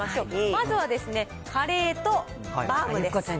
まずはカレーとバウムです。